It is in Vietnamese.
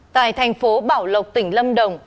tại thành phố bảo lộc tỉnh lâm đồng